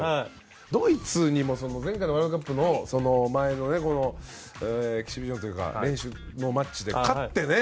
ドイツにも前回のワールドカップのエキシビションというか練習のマッチで勝ってね。